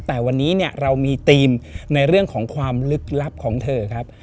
แต่วันนี้เนี่ยเรามีธีมในเรื่องของความลึกลับของเธอครับ